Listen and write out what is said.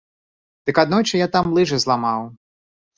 Дык аднойчы я там лыжы зламаў!